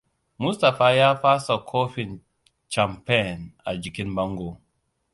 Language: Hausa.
Mustapha ya fasa kofin Champagne a jikin bango.